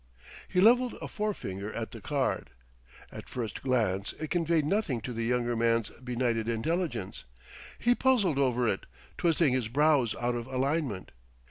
He leveled a forefinger at the card. At first glance it conveyed nothing to the younger man's benighted intelligence. He puzzled over it, twisting his brows out of alignment.